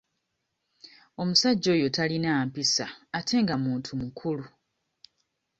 Omusajja oyo talina mpisa ate nga muntu mukulu.